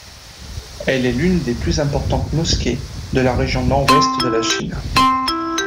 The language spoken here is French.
Elle est l'une des plus importantes mosquées de la région nord-ouest de la Chine.